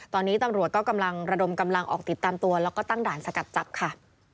ตอนนี้ตำรวจก็กำลังระดมกำลังออกติดตามตัวแล้วก็ตั้งด่านสกัดจับค่ะ